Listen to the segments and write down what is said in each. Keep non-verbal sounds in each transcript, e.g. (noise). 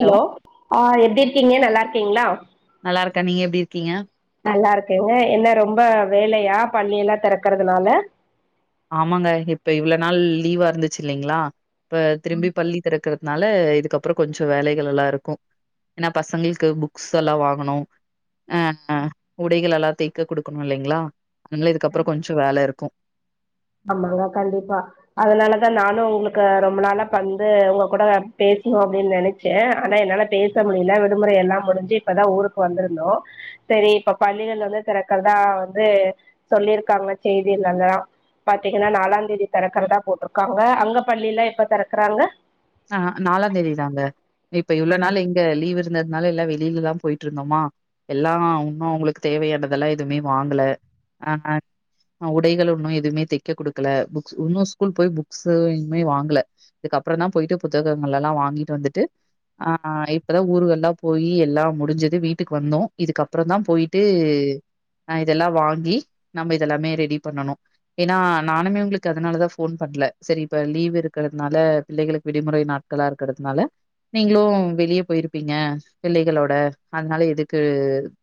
Hello அ எப்படி இருக்கீங்க நல்லா இருக்கீங்களா நல்லா இருக்கேன் நீங்க எப்படி இருக்கீங்க நல்லா இருக்கேங்க என்ன ரொம்ப வேலையா பள்ளி எல்லா திறக்கறதுனால ஆமாங்க இப்ப இவ்ளோ நாள் லீவ்வா இருந்துச்சு இல்லைங்களா இப்ப திரும்பி பள்ளி திறக்கறது னால இதுக்கப்புறோ கொஞ்சோ வேலைகள் எல்லா இருக்கு ஏனா பசங்களுக்கு புக்ஸ் எல்லா வாங்கணு அ அ உடைகள் எல்லா தைக்க குடுக்கணும் இல்லைங்களா அதனால இதுக்கப்புறம் கொஞ்சோ வேல இருக்கும் ஆமாங்க கண்டிப்பா அதனாலதா நானும் உங்களுக்கு ரொம்ப நாள பந்து உங்க கூட பேசணும் அப்படின் நினைச் ச்ச ஆனா என்னால பேச முடியல விடுமுறை எல்லாம் முடிஞ்சு இப்பதா ஊருக்கு வந்திருந்தோம் சேரி இப்ப பள்ளிகள் வந்து திறக்குறதா வந்து சொல்லியிருக்காங்க செய்தில எல்லா பாத்தீங்களா நாலாந்தேதி திறக்கறதா போட்ருக்காங்க அங்க பள்ளிலா எப்ப திறக்கறாங்க அ நாலாந்தேதிதாங்க இப்ப இவ்ளோ நாளு இங்க லீவ் இருந்ததுனால எல்லா வெளியில தா போயிட்டு இருந்தோமா எல்லா இன்னும் அவுங்களுக்கு தேவையானதெல்லா எதுவுமே வாங்கல அ அ உடைகள் ஒன்னும் எதுவுமே தைக்க குடுக்கல புக்ஸ் இன்னும் ஸ்கூல் போய் புக்ஸ்சு இன்னுமே வாங்கல இதுக்கப்புறம் தா போயிட்டு புத்தகங்கள் எல்லா வாங்கிட்டு வந்துட்டு அ இப்பதா ஊருகள்ல்லா போயி எல்லாம் முடிஞ்சது வீட்டுக்கு வந்தோம் இதுக்கப்புறம் தா போயிட்டு நா இதெல்லாம் வாங்கி நம்ம இதெல்லாமே ரெடி பண்ணணும் ஏன்னா நானுமே உங்களுக்கு அதனால தா ஃபோன் பண்ணல சரி இப்ப லீவ் இருக்கறதுனால பிள்ளைகளுக்கு விடுமுறை நாட்களா இருக்கறதுனால நீங்களும் வெளிய போயிருப்பீங்க பிள்ளைகளோட அதனால எதுக்கு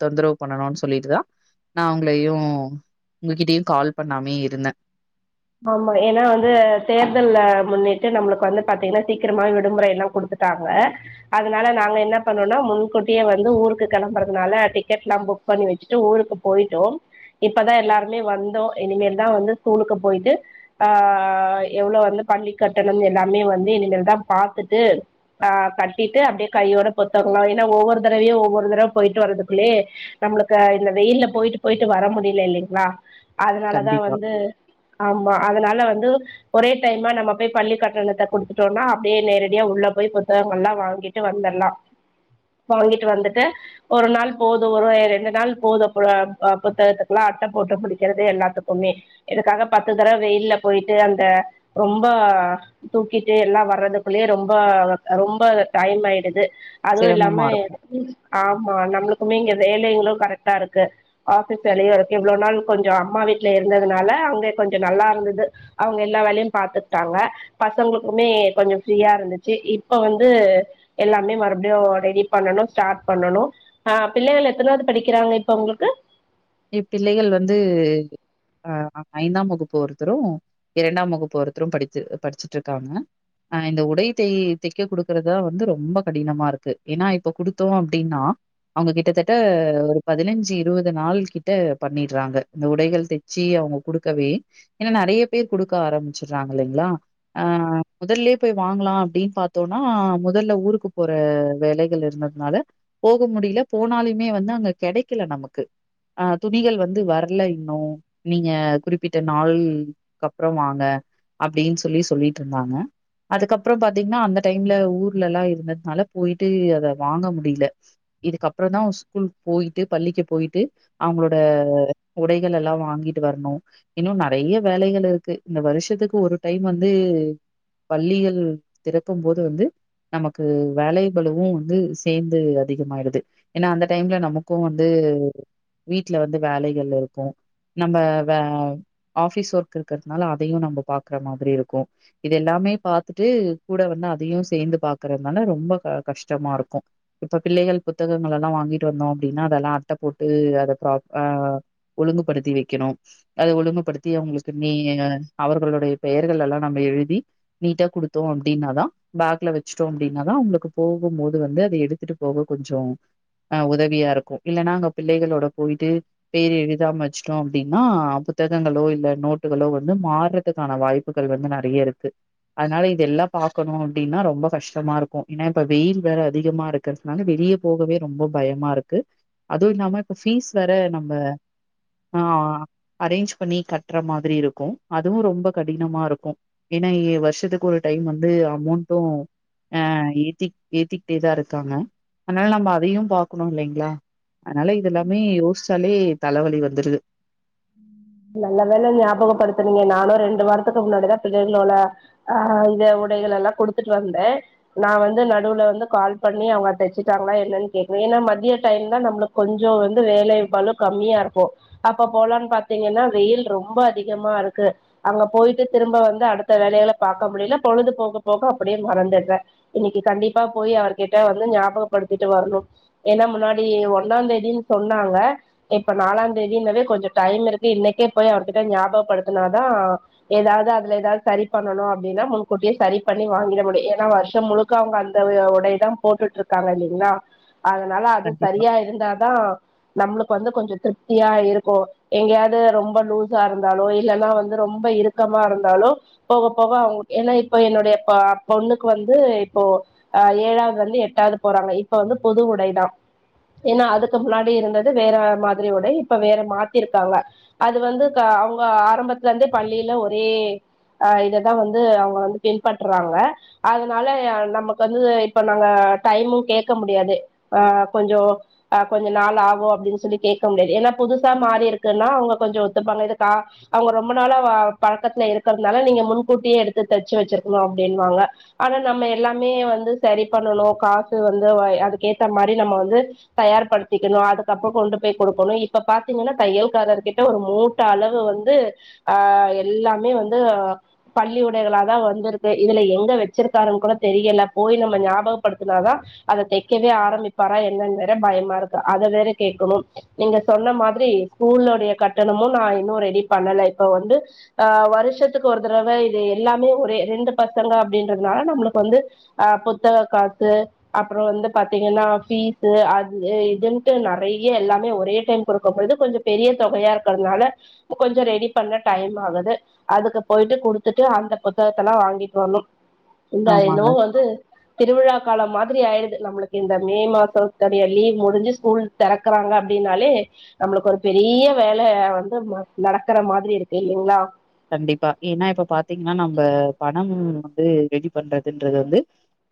தொந்தரவு பண்ணணும்னு சொல்லிட்டு தா நா உங்களையும் உங்ககிட்டயையு கால் பண்ணாமே இருந்தேன் ஆமா ஏன்னா வந்து தேர்தல முன்னிட்டு நம்மளுக்கு வந்து பாத்தீங்கன்னா சீக்கிரமாவே விடுமுறை எல்லாம் குடுத்து விட்டாங்க அதனால நாங்க என்ன பண்ணோம்னா முன்கூட்டியே வந்து ஊருக்கு கிளம்புறதுனால டிக்கெட்ல்லா புக் பண்ணி வச்சுட்டு ஊருக்கு போயிட்டோ இப்பதா எல்லாருமே வந்தோம் இனிமேல்தா வந்து ஸ்கூலுக்கு போய்ட்டு ஆ எவ்வளவு வந்து பள்ளி கட்டணம் எல்லாமே வந்து இனிமேல்தா பாத்துட்டு அ கட்டிட்டு அப்படியே கையோட புத்தங்க ஏன்னா ஒவ்வொரு தடவையே ஒவ்வொரு தடவ போயிட்டு வர்றதுக்குள்ளயே நம்மளுக்கு இந்த வெயில்ல போயிட்டு போயிட்டு வர முடியல இல்லைங்களா அதனாலதா கண்டிப்பா வந்து ஆமா அதனால வந்து ஒரே டைமா நம்ம போயி பள்ளி கட்டணத்த குடுத்துட்டோம்னா அப்படியே நேரடியா உள்ள போயி புத்தகங்கள்ல்லா வாங்கிட் ட்டு வந்துரலாம் வாங்கிட்டு வந்துட்டு ஒரு நாள் போதும் ஒரு ரெண்டு நாள் போதும் அ புத்தகத்துக்கெல்லா அட்ட போட்டு முடிக்கிறது எல்லாத்துக் க்குமே இதுக்காக பத்து தரவ வெயில்ல போயிட்டு அந்த ரொம்ப தூக்கிட்டு எல்லா வர்றதுக்குள்ளேயே ரொம்ப ரொம்ப டைம் ஆயிடுது அது இல்லாம சிரமமா இருக்கு ஆமா நம்மளுக்குமே இங்க வேலைங்களு கரெக்டா இருக்கு ஆஃபிஸ் வேலையு இருக்கு இவ்ளோ நாள் கொஞ்ச அம்மா வீட்ல இருந்ததுனால அங்க கொஞ்ச. நல்லா இருந்தது அவுங்க எல்லா வேலையும் பாத்துக்கிட்டாங்க பசங்களுக்குமே கொஞ்ச ஃப்ரீயா இருந்துச்சு இப்ப வந்து எல்லாமே மறுபடியு ரெடி பண்ணணு ஸ்டார்ட் பண்ணணு ஆ பிள்ளைகள் எத்தனாவது படிக்கிறாங்க இப்ப உங்களுக்கு எப் பிள்ளைகள் வந்து அ ஐந்தாம் வகுப்பு ஒருத்தரு இரண்டாம் வகுப்பு ஒருத்தரும் படிச்சு படிச்சுட்டு இருக்காங்க அ இந்த உடை தை தைக்க குடுக்கறதா வந்து ரொம்ப கடினமா இருக்கு ஏன்னா இப்ப குடுத்தோ அப்டின்னா அவுங்க கிட்டத்தட்ட ஒரு பதினஞ்சு இருவது நாள் கிட்ட பண்ணிடுறாங்க இந்த உடைகள் தைச்சு அவுங்க குடுக்கவே ஏன்னா நிறைய பேரு குடுக்க ஆரம்பிச்சுர்றாங்க இல்லைங்களா ஆ முதல்லயே போய் வாங்கலா அப்டின்னு பாத்தோன்னா முதல்ல ஊருக்கு போற வேலைகள் இருந்தது னால போக முடியல போனாலுமே வந்து அங்க கெடைக்கல நமக்கு ஆ துணிகள் வந்து வர்ல இன்னு நீங்க குறிப்பிட்ட நாள்க்கப்புற வாங்க அப்டின்னு சொல்லி சொல்லிட்டு இருந்தாங்க அதுக்கப்புற பாத்தீங்கன்னா அந்த டைம்ல ஊர்ல எல்லா இருந்ததுனால போயிட்டு அத வாங்க முடியல இதுக்கப்புற தான் அவ ஸ்கூல் போயிட்டு பள்ளிக்கு போயிட்டு அவுங்களோட உடைகலெல்லா வாங்கிட்டு வரணு இன்னு நறைய வேலைகள் இருக்கு இந்த வருஷத்துக்கு ஒரு டைம் வந்து பள்ளிகள் திறக்கும் போது வந்து நமக்கு வேலை பலுவு வந்து சேந்து அதிகமாயிடுது ஏனா அந்த டைம்ல நமக்கு வந்து வீட்ல வந்து வேலைகள் இருக்கு நம்ம வே ஆபிஸ் ஒர்க் இருக்கிறதுனால அதையும் நம்ம பாக்குற மாதிரி இருக்கும் இதெல்லாமே பாத்துட்டு கூட வந்தா அதையு சேந்து பாக்கறதுனால ரொம்ப க கஷ்டமா இருக்கு இப்ப பிள்ளைகள் புத்தகங்கள் எல்லா வாங்கிட்டு வந்தோ அப்டின்னா அதெல்லா அட்ட போட்டு அத பிராப் ஆ ஒழுங்குபடுத்தி வைக்கணு அத ஒழுங்குபடுத்தி அவங்களுக்கு நீ அவர்களுடைய பெயர்கள எல்லா நம்ம எழுதி நீட்டா குடுத்தோ அப்டின்னாதா பேக்ல வச்சுட்டோ அப்டின்னாதா உங்களுக்கு போகும் போது வந்து அத எடுத்துட்டு போக கொஞ்சோ ஆ உதவியா இருக்கு இல்லன்னா அங்க பிள்ளைகளோட போயிட்டு பேர் எழுதாம வச்சுட்டோ அப்டின்னா புத்தகங்களோ இல்ல நோட்டுகளோ வந்து மார்றதுக்கான வாய்ப் புகள் வந்து நறைய இருக்கு அதுனால இது எல்லா பாக்கணு அப்டின்னா ரொம்ப கஷ்டமா இருக்கு ஏன்னா இப்ப வெயில் வேற அதிகமா இருக்கு க்கறதனால வெளியே போகவே ரொம்ப பயமா இருக்கு அதுவும் இல்லாம இப்ப ஃபீஸ் வேற நம்ம ஆ அரேஞ்ச் பண்ணி கட்டுற மாதிரி இருக்கு அதுவு ரொம்ப கடினமா இருக்கு ஏன்னா வருஷத்துக்கு ஒரு டைம் வந்து அமௌண்ட்டு ஆ ஏத்திக் ஏத்திக்கிட்டே தா இருக்காங்க அதனால நம்ம அதையும் பாக்கணு இல்லைங்களா அதுனால இதெல்லாமே யோசிச்சாலே தலவலி வந்துருது நல்ல வேலை ஞாபகப்படுத்துனீங்க நானு ரெண்டு வாரத்துக்கு முன்னாடிதா பிள்ளைகளோள ஆ இத உடைகள் எல்லா குடுத்துட்டு வந்தே நா வந்து நடுல வந்து கால் பண்ணி அவுங்க தச்சுட்டாங்களா என்னன்னு கேக்கனு ஏன்னா மதிய டைம் தா நம்மளுக் கொஞ்சோ வந்து வேலைபழு கம்மியா இருக்கும் அப்ப போலான்னு பாத்தா த்தீங்கன்னா வெயில் ரொம்ப அதிகமாருக்கு அங்க போயிட்டு திரும்ப வந்து அடுத்த வேலைகள பாக்க முடியல பொழுது போக போக அப்படியே மறந்துட்றே இன்னைக்கு கண்டிப்பா போய் அவர்கிட்ட வந்து ஞாபகப்படுத்திட்டு வரணும் ஏன்னா முன்னாடி ஒன்னாந் தேதின்னு சொன்னாங்க இப்ப நாலாந் தேதின்னவே கொஞ்சோ டைம் இருக்கு டி இன்னைக்கே போய் அவர்கிட்ட ஞாபகப்படுத்துனாதா ஏதாவ்து அதுல ஏதாவ்து சரி பண்ணணு அப்டின்னா முன்கூட்டியே சரி பண்ணி வாங்கிட முடியு ஏன்னா வருஷம் முழுக் க்க அவுங்க அந்த உடை தான் போட்டுட்ருக்காங்க இல்லைங்களா அதனால அது கண்டிப்பா. சரியா இருந்தாதா நம்மளுக்கு வந்து கொஞ்சொ திருப்தியா இருக்கூ எங்கேயாது து ரொம்ப லூஸா இருந்தாலோ இல்லன்னா வந்து ரொம்ப இருக்கமாருந்தாலோ போக போக அவுங் ஏன்னா இப்போ என்னுடைய பாப் பொண்ணுக்கு வந்து இப்போ ஆ ஏழாவதுல்லந்து எட்டாவ்து போறாங்க இப்ப வந்து பொது உடைதா ஏன்னா அதுக்கு முன்னாடி இருந்தது வேற மாதிரி உடை இப்ப வேற மாத்திருக்காங்க அது வந்து க அவுங்க ஆரம்பத்துல இருந்தே பள்ளியில ஒரே அ இததா வந்து அவுங்க வந்து பின்பற்றாங்க அதனால நமக்கு வந்து இப்ப நாங்க டைமுங் கேக்க முடியாது அ கொஞ்சோ ஆ கொஞ்ச நாளாகு அப்டின் சொல்லி கேக்க முடியாது ஏன்னா புதுசா மாறி இருக்குன்னா அவுங்க கொஞ்சோ ஒத்துப்பாங்க இதுக்கா அவுங்க ரொம்ப நாளா பழக்கத்துல இருக்கிறதுனால நீங்க முன்கூட்டியே எடுத்து தச்சு வச்சிருக்குணு அப்டின்வாங்க ஆனா நம்ம எல்லாமே வந்து சரி பண்ணணு காசு வந்து அதுக்கேத்த மாரி நம்ம வந்து தயார் படுத்திக்கணு அது கப்ப கொண்டு போய் குடுக்கணு இப்ப பாத்தீங்கன்னா தையல் காரர்க்கிட் ட ஒரு மூட்ட அளவு வந்து ஆ எல்லாமே வந்து பள்ளி உடைகளா தா வந்திருக்கு இதுல எங்க வச்சிருக்காருன் கூட தெரியல போய் நம்ம ஞாபகப்படுத்துனாதா அத தைக்கவே ஆரம்பிப்பாரா என்னன்னு வேற பயமா இருக்கு அதை வேற கேக்கணு நீங்க சொன்ன மாதிரி ஸ்கூல்லுடைய கட் தெனமு நா இன்னும் ரெடி பண்ணல இப்ப வந்து ஆ வருஷத் க்கு ஒரு தரவ இது எல்லாமே ஒரே ரெண்டு பசங்க அப்டின்றதுனால நம்ளுக்கு வந்து ஆ புத்தக காசு அப்புறொ வந்து பாத்தீங்கன்னா ஃபீஸ்ஸு அது இதுன்ட்டு நறைய எல்லாமே ஒரே டைம் கொடுக்கும் பொழுது கொஞ் பெரிய தொகையா இருக்கிறதுனால கொஞ்சொ ரெடி பண்ண டைம் ஆகுது அதுக்கு போயிட்டு குடுத்துட்டு அந்த புத்தகத்தல்லா வாங்கிட்டு வரணும் இந்த ஆமாங்க. என்னவோ வந்து திருவிழா காலம் மாதிரி ஆயிடுது நம்மளுக்கு இந்த மே மாசம் லீவ் முடிஞ்சு ஸ்கூல் தெறக்குறாங்க அப்டின்னாலே நம்மளுக்கு ஒரு பெரிய வேல அ வந்து நடக்கிற மாதிரி இருக்கு இல்லைங்களா கண்டிப்பா ஏன்னா இப்ப பாத்தீங்ன்னா நம்ப பணம் வந்து ரெடி பண்றதுன்றது வந்து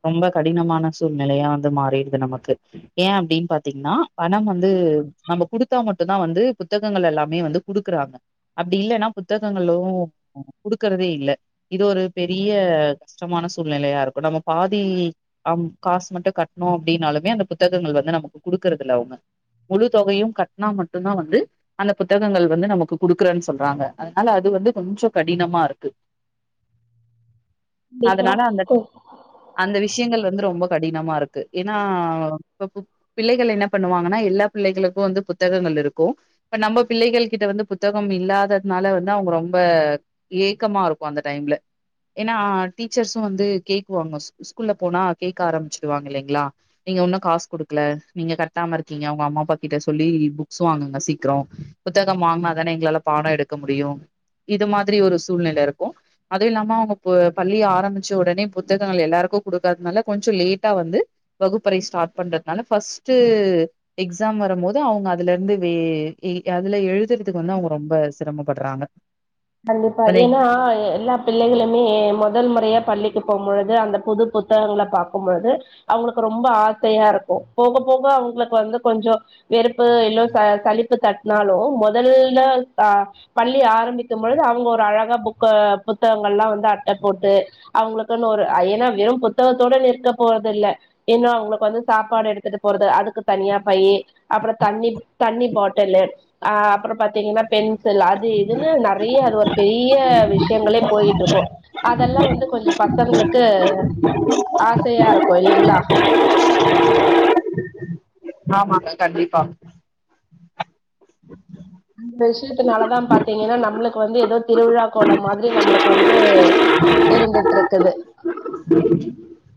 ரொம்ப கடினமான சூழ்நிலையா வந்து மாறிடுது நமக்கு ஏன் அப்படின் பாத்தீங்ன்னா பணம் வந்து நம்ம குடுத்தா மட்டும்ந்தா வந்து புத்தகங்கள் எல்லாமே வந்து குடுக்குறாங்க அப்டி இல்லன்னா புத்தகங்களு குடுக்கறதே இல்ல இது ஒரு பெரிய கஷ்டமான சூழ்நிலையா இருக்கூ நம்ம பாதி அவுங் காசு மட்டு கட்ணோ அப்டின்னாலுமே அந்த புத்தகங்கள் வந்து நமக்கு குடுக்குறதுல்ல அவுங்க முழு தொகையு கட்னா மட்டுந்தா வந்து அந்த புத்தகங்கள் வந்து நமக்கு குடுக்குறேன் சொல்றாங்க னால அது வந்து கொஞ்சொ கடினமாருக்கு அதனால அந்த கண்டிப்பா அந்த விஷயங்கள் வந்து ரொம்ப கடினமாருக்கு ஏன்னா பிள்ளைகள் என்ன பண்ணுவாங்கன்னா எல்லா பிள்ளைகளுக்கூ வந்து புத்தகங்கள் இருக்கூ இப்ப நம்ம பிள்ளைகள் கிட்ட வந்து புத்தகம் இல்லாததுனால வந்து அதா அவுங்க ரொம்ப ஏக்கமா இருக்கு அந்த டைம்ல ஏன்னா டீச்சர்ஸும் வந்து கேக்குவாங்க ஸ்கூல்ல போனா கேக்க ஆரம்பிச்சுடுவாங்க இல்லைங்களா நீங்க உன்னு காஸ் குடுக்கல நீங்க கட்டாம இருக்கீங்க உங்க அம்மா அப்பா கிட்ட சொல்லி புக்ஸு வாங்குங்க சீக்ரோ புத்தகம் வாங்குனாதானே எங்களால பாடோ எடுக்க முடியு இது மாதிரி ஒரு சூழ்நிலை இருக்கு அதுவும் இல்லாம அவுங்க ப பள்ளி ஆரம்பிச்ச ஒடனே புத்தகங்கள் எல்லாருக்கு குடுக்காதுனால கொஞ்ச லேட்டா வந்து வகுப்பறை ஸ்டார்ட் பண்றதுனால ஃபர்ஸ்ட்டு எக்ஸாம் வரும் போது அவுங்க அதுல இருந்து வே ஏய் அதுல எழுதுறதுக்கு வந்து அவுங்க ரொம்ப சிரமப்படுறாங்க கண்டிப்பா ஏன்னா எல்லாப் பிள்ளைகளுமே மொதல் முறையா பள்ளிக்கு போம் பொழுது அந்த புது புத்தகங்கள பாக்கும் பொழுது அவுங்களுக்கு ரொம்ப ஆசையா இருக்கு போக போக அவுங்களுக்கு வந்து கொஞ்சோ வெறுப்பு எல்லோ ச சளிப்பு தட்னாலு மொதல்ல ஆ பள்ளி ஆரம்பிக் கும் பொழுது அவுங்க ஒரு அழகா புக்க புத்தகங்கள்லா வந்து அட்ட போட்டு அவங்களுக்குன்னு ஒரு ஐ ஏன்னா வெறும் புத்தகத்தோடு நிற்க போறது இல்ல இன்னு அவுங்களுக்கு வந்து சாப்பாடு எடுத்துட்டு போறது அதுக்கு தனியா பையி அப்பறோ தண்ணி தண்ணிப்பாட்டலு அ அப்பறோ பாத்தீங்கன்னா பென்சில் அது இதுன்னு நெறை ய அது ஒரு பெரிய விஷயங்களே போயிகிட்டு இருக்கு அதெல்லா வந்து கொஞ்ச பசங்களுக்கு ஆசையா இருக்கு இல்லைங்களா ஆமாங்க கண்டிப்பா அந்த விஷயத்துனாலதா பாத்தீங்கன்னா நம்மளுக்கு வந்து எதோ திருவிழா கோளம் மாதிரி நம்மளுக்கு வந்து இருந்துட்ருக்குது (inaudible)